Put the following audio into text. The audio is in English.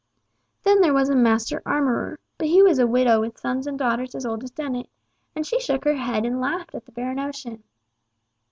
Then there was a master armourer, but he was a widower with sons and daughters as old as Dennet, and she shook her head and laughed at the bare notion.